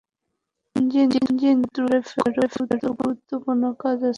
জিন, জিন, দ্রুত ঘরে ফেরো, গুরুত্বপূর্ণ কাজ আছে।